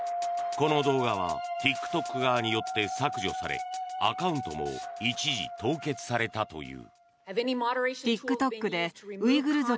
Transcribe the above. この動画はＴｉｋＴｏｋ側によって削除されアカウントも一時凍結されたという。